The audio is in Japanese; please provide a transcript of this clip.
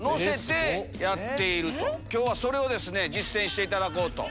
今日はそれを実践していただこうと。